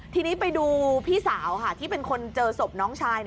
ทีนี้ไปดูพี่สาวค่ะที่เป็นคนเจอศพน้องชาย